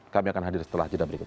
kami akan hadir setelah jeda berikut